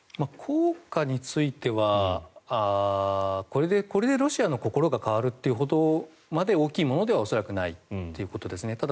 効果についてはこれでロシアの心が変わるっていうほどまで大きいものでは恐らくないということですね。